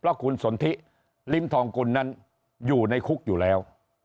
เพราะคุณสนทิลิ้มทองกุลนั้นอยู่ในคุกอยู่แล้ว